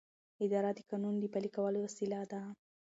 اداره د قانون د پلي کولو وسیله ده.